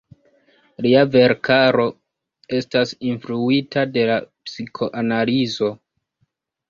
Lia verkaro estas influita de la psikoanalizo.